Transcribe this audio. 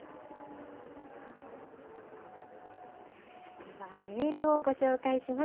ではメールをご紹介します。